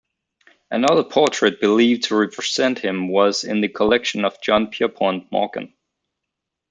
Another portrait believed to represent him was in the collection of John Pierpont Morgan.